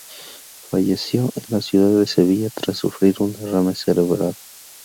Falleció en la ciudad de Sevilla tras sufrir un derrame cerebral.